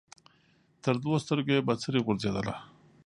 تر دوو سترګو یې بڅري غورځېدله